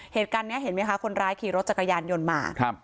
เหตุการณ์เนี่ยเห็นมั้ยคะคนร้ายขี่รถจักรยานยนต์มา